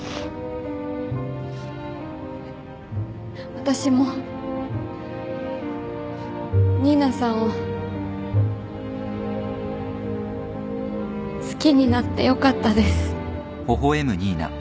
私も新名さんを好きになってよかったです。